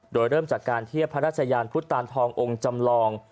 โดยเริ่มจากการเทียบพระราชยานพุทธตานทององค์จำลอง